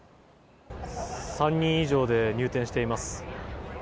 ３人以上で入店しています。